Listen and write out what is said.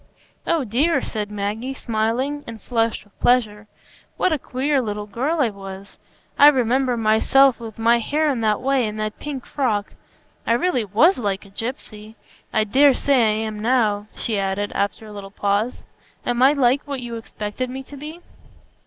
"Oh dear," said Maggie, smiling, and flushed with pleasure, "what a queer little girl I was! I remember myself with my hair in that way, in that pink frock. I really was like a gypsy. I dare say I am now," she added, after a little pause; "am I like what you expected me to be?"